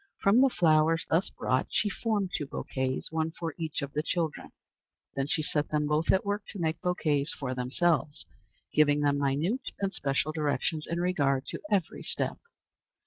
From the flowers thus brought she formed two bouquets, one for each of the children. Then she set them both at work to make bouquets for themselves, giving them minute and special directions in regard to every step.